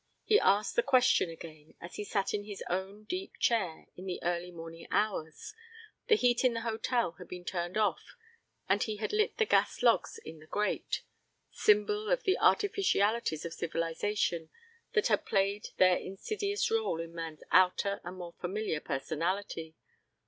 He asked the question again as he sat in his own deep chair in the early morning hours. The heat in the hotel had been turned off and he had lit the gas logs in the grate symbol of the artificialities of civilization that had played their insidious rôle in man's outer and more familiar personality.